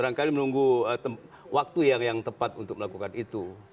barangkali menunggu waktu yang tepat untuk melakukan itu